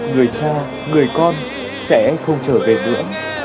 người cha người con sẽ không trở về nữa